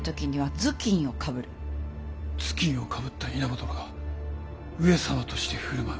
頭巾をかぶった稲葉殿が上様として振る舞う。